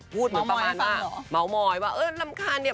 พูดเหมือนประมาณว่าเมามอยว่าเออรำคาญเนี่ย